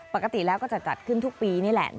ปกติแล้วก็จะจัดขึ้นทุกปีนี่แหละ